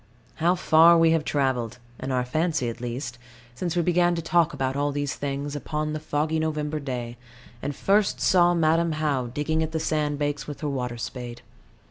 How far we have travelled in our fancy at least since we began to talk about all these things, upon the foggy November day, and first saw Madam How digging at the sand banks with her water spade.